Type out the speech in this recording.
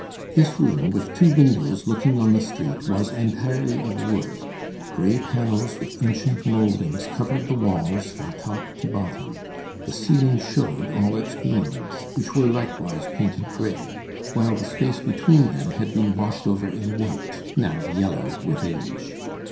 This room, with two windows looking on the street, was entirely of wood. Gray panels with ancient mouldings covered the walls from top to bottom; the ceiling showed all its beams, which were likewise painted gray, while the space between them had been washed over in white, now yellow with age.